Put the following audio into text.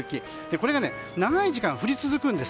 これが長い時間降り続くんです。